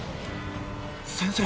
先生。